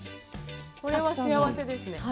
これは幸せですね。